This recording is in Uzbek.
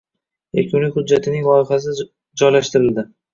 Yakuniy hujjatining loyihasi joylashtirildi